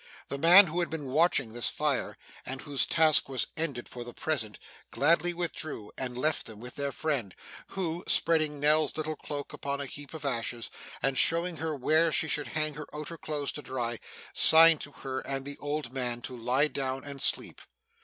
The man who had been watching this fire, and whose task was ended for the present, gladly withdrew, and left them with their friend, who, spreading Nell's little cloak upon a heap of ashes, and showing her where she could hang her outer clothes to dry, signed to her and the old man to lie down and sleep.